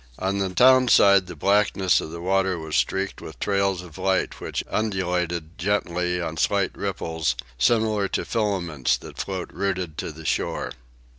On the town side the blackness of the water was streaked with trails of light which undulated gently on slight ripples, similar to filaments that float rooted to the shore.